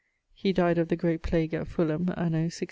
He dyed of the great plague at Fulham anno 1625.